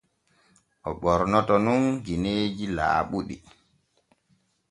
O ɓornoto nun gineeji laaɓuɗi.